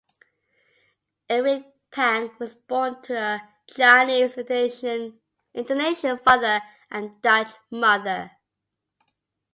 Eric Pang was born to a Chinese Indonesian father and Dutch mother.